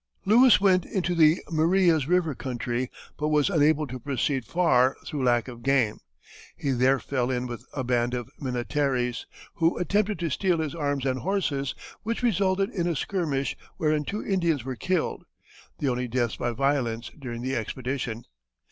Lewis went into the Maria's River country, but was unable to proceed far through lack of game. He there fell in with a band of Minnetarees, who attempted to steal his arms and horses, which resulted in a skirmish wherein two Indians were killed, the only deaths by violence during the expedition.